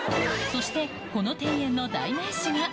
そして、この庭園の代名詞が。